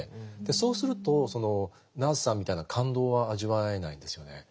そうするとそのナースさんみたいな感動は味わえないんですよね。